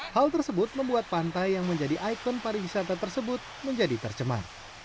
hal tersebut membuat pantai yang menjadi ikon pariwisata tersebut menjadi tercemar